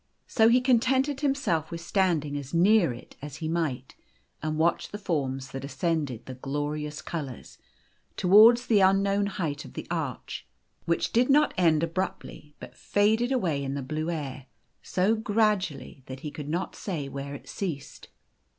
So he contented himself with stand ing as near it as he might, and watching the forms that ascended the glorious colours towards the unknown o height of the arch, which did not end abruptly, but faded away in the blue air, so gradually that he could not say where it ceased.